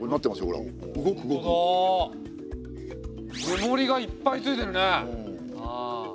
目盛りがいっぱいついてるね。